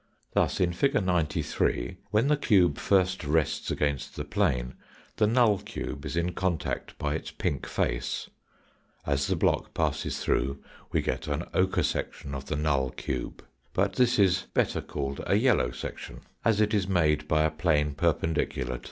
Thus, in fig. 93, when the cube first rests against the plane the null cube is in contact by its pink face ; as the block passes through we get an ochre section of the null cube, but this is better called a yellow section, as it is made by a p'ane perpendicular to the yellow line.